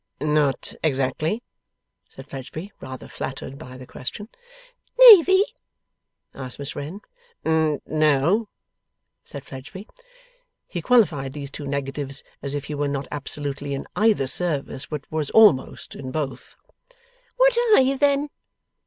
'Not exactly,' said Fledgeby, rather flattered by the question. 'Navy?' asked Miss Wren. 'N no,' said Fledgeby. He qualified these two negatives, as if he were not absolutely in either service, but was almost in both. 'What are you then?